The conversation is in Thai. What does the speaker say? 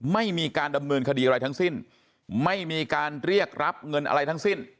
ไม่มีการดำเนินคดีอะไรทั้งสิ้นไม่มีการเรียกรับเงินอะไรทั้งสิ้น